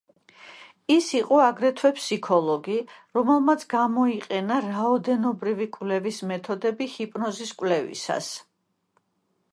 ის იყო აგრეთვე ფსიქოლოგი, რომელმაც გამოიყენა რაოდენობრივი კვლევის მეთოდები ჰიპნოზის კვლევისას.